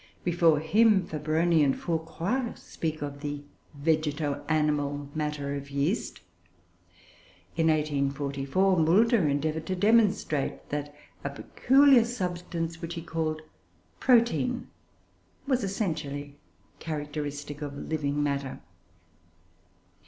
Before him, Fabroni and Fourcroy speak of the "vegeto animal" matter of yeast. In 1844 Mulder endeavoured to demonstrate that a peculiar substance, which he called "protein," was essentially characteristic of living matter.